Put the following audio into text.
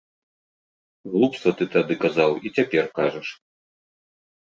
Глупства ты тады казаў і цяпер кажаш.